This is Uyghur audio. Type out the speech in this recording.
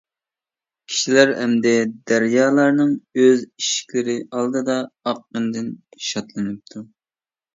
كىشىلەر ئەمدى دەريالارنىڭ ئۆز ئىشىكلىرى ئالدىدا ئاققىنىدىن شادلىنىپتۇ.